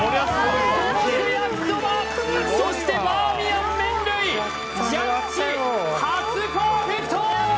五目焼そばそしてバーミヤン麺類ジャッジ初パーフェクト！